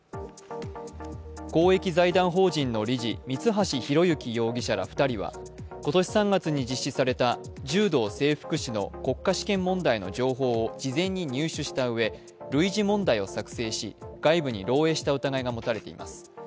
公益財団法人の理事、三橋裕之容疑者ら２人は今年３月に実施された柔道整復師の国家試験の問題を事前に入手したうえ類似問題を作成し外部に漏えいした疑いが持たれています。